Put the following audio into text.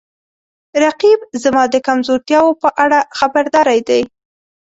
رقیب زما د کمزورتیاو په اړه خبرداری دی